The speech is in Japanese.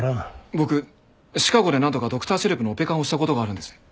僕シカゴで何度かドクター・シェルプのオペ看をした事があるんです。